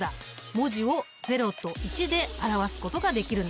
文字を０と１で表すことができるんだ。